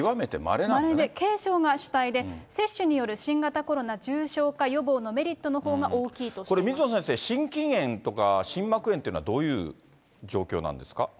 まれで、軽症が主体で、接種による新型コロナ重症化予防のメリットのほうが大きいとしてこれ、水野先生、心筋炎とか、心膜炎というのはどういう状況なんですか？